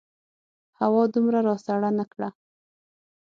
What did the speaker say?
هوا دومره راسړه نه کړه.